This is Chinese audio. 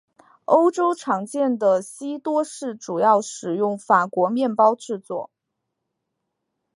欧洲常见的西多士主要使用法国面包制作。